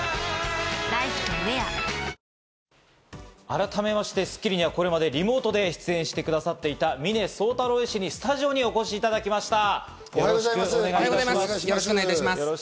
改めまして『スッキリ』にはこれまでリモートで出演してくださっていた峰宗太郎医師にスタジオにお越しいただきました。